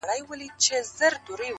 هغوو ته ځکه تر لیلامه پوري پاته نه سوم.